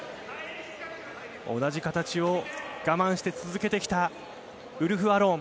同じ形を我慢して続けてきたウルフ・アロン。